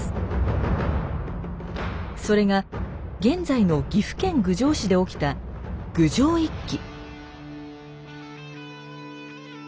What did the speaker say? それが現在の岐阜県郡上市で起きた「郡上一揆」。